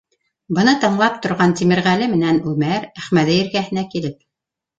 Быны тыңлап торған Тимерғәле менән Үмәр Әхмәҙи эргәһенәрәк килеп: